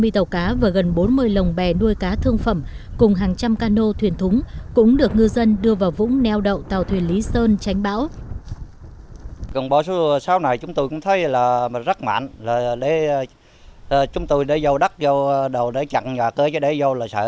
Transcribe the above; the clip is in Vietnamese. ba mươi tàu cá và gần bốn mươi lồng bè nuôi cá thương phẩm cùng hàng trăm cano thuyền thúng cũng được ngư dân đưa vào vũng neo đậu tàu thuyền lý sơn tránh bão